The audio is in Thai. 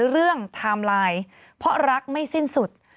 ไทม์ไลน์เพราะรักไม่สิ้นสุด